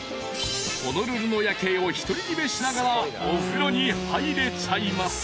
［ホノルルの夜景を独り占めしながらお風呂に入れちゃいます］